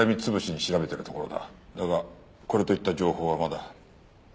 だがこれといった情報はまだ。